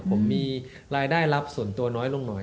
ผมมีรายได้รับส่วนตัวน้อยลงหน่อย